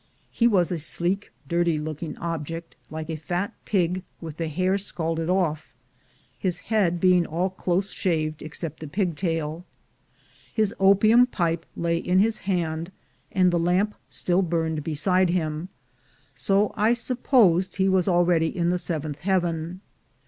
He was a sleek dirty looking object, like a fat pig with the hair scalded off, his head being all close shaved excepting the pigtail. His opium pipe lay in his hand, and the lamp still burned beside him, so I supposed he was already in the seventh heaven.